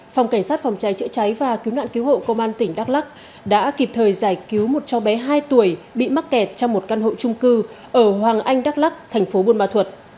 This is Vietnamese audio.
phòng cảnh sát phòng cháy chữa cháy và cứu nạn cứu hộ công an tỉnh đắk lắc đã kịp thời giải cứu một cháu bé hai tuổi bị mắc kẹt trong một căn hộ trung cư ở hoàng anh đắk lắc thành phố buôn ma thuật